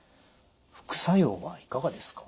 副作用はいかがですか？